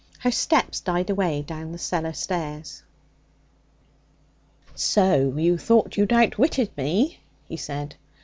Her steps died away down the cellar stairs. 'So you thought you'd outwitted me?' he said.